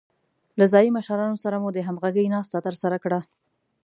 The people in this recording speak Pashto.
له ځايي مشرانو سره مو د همغږۍ ناسته ترسره کړه.